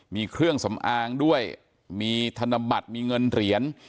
มีเครื่องสำอางด้วยมีธนบัตรมีเงินเหรียญ